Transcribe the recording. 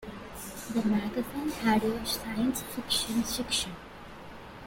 The magazine had a science fiction section.